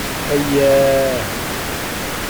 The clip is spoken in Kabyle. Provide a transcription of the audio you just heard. Ayaa!